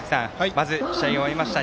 まず試合が終わりました。